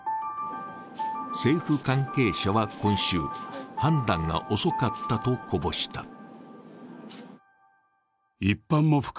政府関係者は今週、判断が遅かったとこぼした。